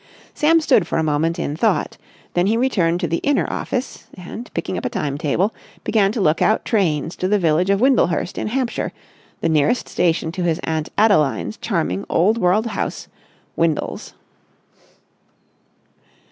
Sam stood for a moment in thought, then he returned to the inner office, and, picking up a time table, began to look out trains to the village of Windlehurst in Hampshire, the nearest station to his aunt Adeline's charming old world house, Windles.